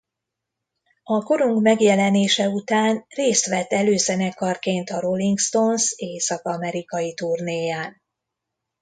A korong megjelenése után részt vett előzenekarként a Rolling Stones észak-amerikai turnéján.